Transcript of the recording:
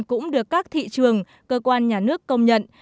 cũng được các thị trường cơ quan nhà nước công nhận